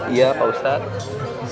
iya pak ustadz